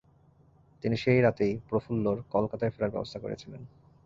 তিনি সেই রাতেই প্রফুল্লর কলকাতায় ফেরার ব্যবস্থা করেছিলেন।